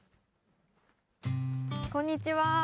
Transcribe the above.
こんにちは。